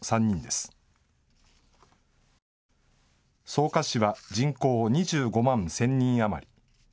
草加市は人口２５万１０００人余り。